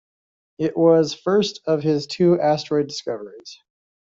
It was first of his two asteroid discoveries.